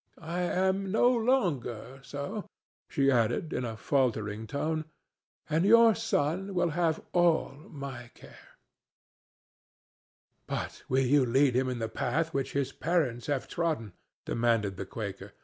I am no longer so," she added, in a faltering tone, "and your son will have all my care." "But will ye lead him in the path which his parents have trodden?" demanded the Quaker.